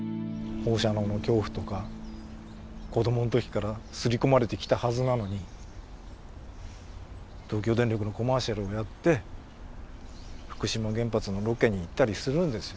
放射能の恐怖とか子供の時から刷り込まれてきたはずなのに東京電力のコマーシャルをやって福島原発のロケに行ったりするんですよ。